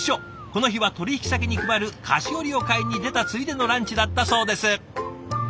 この日は取引先に配る菓子折を買いに出たついでのランチだったそうです。